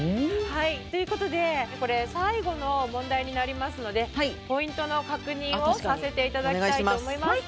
はいということでこれ最後の問題になりますのでポイントの確認をさせて頂きたいと思います。